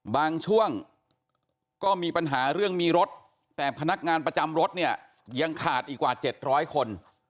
บางช่วงก็มีปัญหาเรื่องมีรถแต่พนักงานประจำรถเนี่ยยังขาดอีกกว่า๗๐๐คน